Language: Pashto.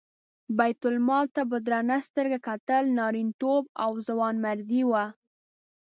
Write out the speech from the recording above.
بیت المال ته په درنه سترګه کتل نارینتوب او ځوانمردي وه.